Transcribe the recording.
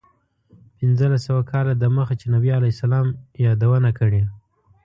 پنځلس سوه کاله دمخه چې نبي علیه السلام یادونه کړې.